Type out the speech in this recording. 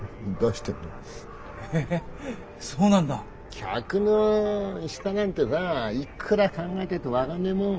客の舌なんてさいくら考えたって分かんねえもん。